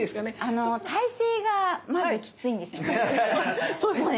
あの体勢がまずきついんですよね。